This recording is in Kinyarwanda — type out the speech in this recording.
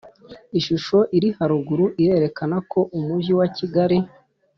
Ishusho iri haruguru irerekana ko umujyi wa kigali